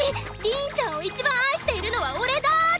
「リーンちゃんを一番愛しているのは俺だーーー！」